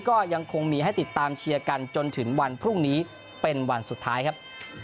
ก็ยังคงมีให้ติดตามเชียร์กันจนถึงวันพรุ่งนี้เป็นวันสุดท้ายครับ